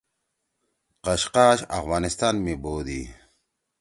قشقاش افغانستان می بودی۔